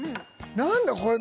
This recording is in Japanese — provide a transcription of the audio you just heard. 何だこれ？